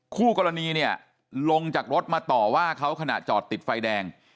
คู่กรณีเนี่ยลงจากรถมาต่อว่าเขาขณะจอดติดไฟแดง